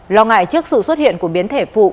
lo ngại trước sự xuất hiện của biến thể phụ